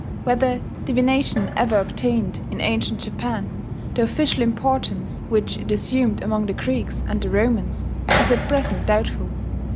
Whether divination ever obtained in ancient Japan the official importance which it assumed among the Greeks and the Romans is at present doubtful.